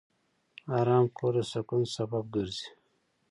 آرام کور د سکون سبب ګرځي.